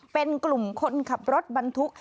เป็นกลุ่มคนขับรถบรรทุก